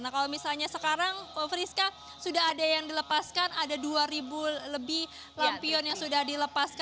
nah kalau misalnya sekarang friska sudah ada yang dilepaskan ada dua ribu lebih lampion yang sudah dilepas